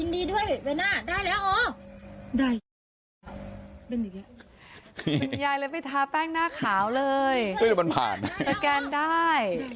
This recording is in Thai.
คุณยายเลยไปทาแป้งหน้าขาวเลยสแกนได้